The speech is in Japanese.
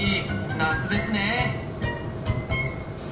夏ですね。